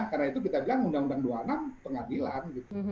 karena itu kita bilang undang undang dua puluh enam pengadilan